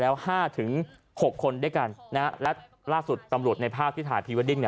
แล้ว๕๖คนด้วยกันและล่าสุดตำรวจในภาพที่ถ่ายพีเวอร์ดิ้ง